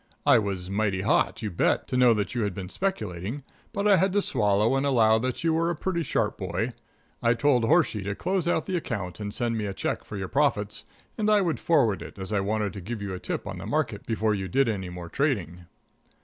I was mighty hot, you bet, to know that you had been speculating, but I had to swallow and allow that you were a pretty sharp boy. I told Horshey to close out the account and send me a check for your profits and I would forward it, as I wanted to give you a tip on the market before you did any more trading.